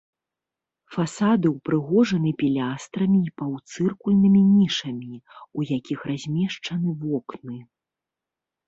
Фасады ўпрыгожаны пілястрамі і паўцыркульнымі нішамі, у якіх размешчаны вокны.